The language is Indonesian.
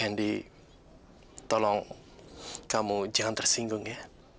hendy tolong kamu jangan tersinggung ya